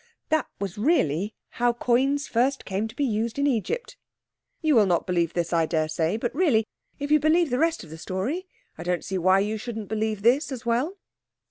That was really how coins first came to be used in Egypt. You will not believe this, I daresay, but really, if you believe the rest of the story, I don't see why you shouldn't believe this as well.